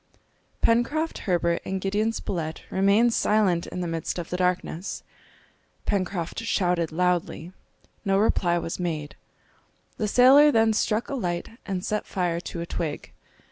Pencroft, Herbert, and Gideon Spilett remained silent in the midst of the darkness. Pencroft shouted loudly. No reply was made. The sailor then struck a light and set fire to a twig.